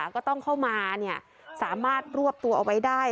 ก็ต้องเข้ามาสามารถรวบตัวเอาไว้ได้